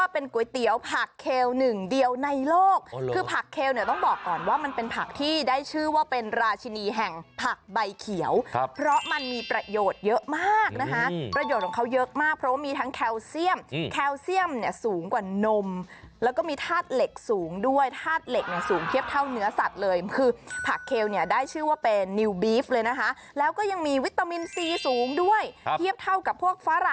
เป็นก๋วยเตี๋ยวผักเคลหนึ่งเดียวในโลกคือผักเคลเนี่ยต้องบอกก่อนว่ามันเป็นผักที่ได้ชื่อว่าเป็นราชินีแห่งผักใบเขียวเพราะมันมีประโยชน์เยอะมากนะคะประโยชน์ของเขาเยอะมากเพราะมีทั้งแคลเซียมแคลเซียมเนี่ยสูงกว่านมแล้วก็มีธาตุเหล็กสูงด้วยธาตุเหล็กสูงเทียบเท่าเนื้อสัตว